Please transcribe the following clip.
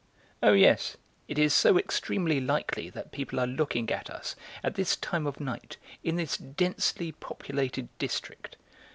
"Oh, yes, it is so extremely likely that people are looking at us at this time of night in this densely populated district!"